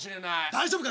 大丈夫か？